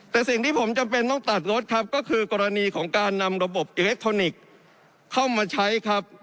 แต่สิ่งที่ผมจำเป็นต้องตัดรถครับก็คือกรณีของการนำระบบอิเล็กทรอนิกส์เข้ามาใช้ครับ